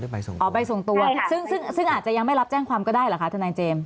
อ๋อใบส่งตัวอ๋อใบส่งตัวซึ่งอาจจะยังไม่รับแจ้งความก็ได้หรือคะท่านนายเจมส์